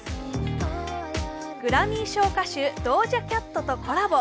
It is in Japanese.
グラミー賞歌手、ドージャ・キャットとコラボ。